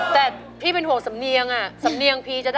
แต่พี่เป็นห่วงศัพท์เนี่ยงศัพท์เนี่ยงพีชจะได้หรอ